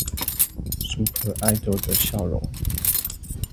super idol 的笑容